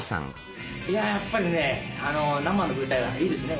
いややっぱりね生の舞台はいいですね。